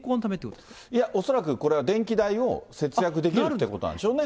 いや、恐らくこれは電気代を節約できるということなんでしょうね。